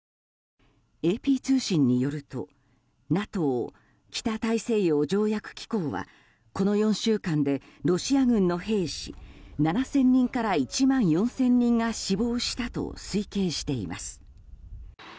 ＡＰ通信によると、ＮＡＴＯ・北大西洋条約機構はこの４週間でロシア軍の兵士７０００人から１万４０００人が死亡したと推計しています。